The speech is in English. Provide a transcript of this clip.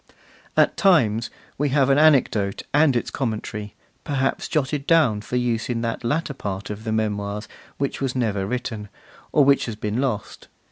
At times we have an anecdote and its commentary, perhaps jotted down for use in that latter part of the Memoirs which was never written, or which has been lost.